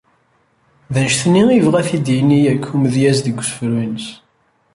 D annect-nni i yebɣa ad t-id-yini yakk umedyaz deg usefru ines.